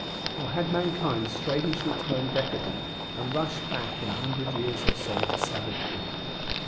Or had mankind strangely turned decadent, and rushed back in a hundred years or so to savagery?